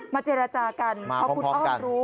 เจรจากันพอคุณอ้อมรู้